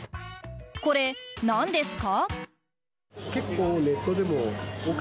これ、何ですか？